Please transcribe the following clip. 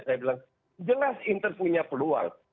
saya bilang jelas inter punya peluang